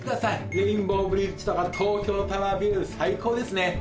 レインボーブリッジとか東京タワービュー最高ですね